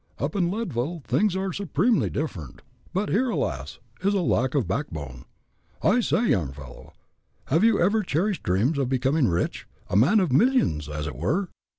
Up in Leadville things are supremely different, but here alas! is a lack of back bone. I say, young fellow, have you ever cherished dreams of becoming rich? a man of millions, as it were?"